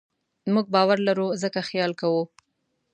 موږ باور لرو؛ ځکه خیال کوو.